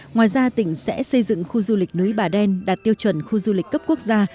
ngoài ra tỉnh sẽ xây dựng khu du lịch núi bà đen đạt tiêu chuẩn khu du lịch cấp quốc gia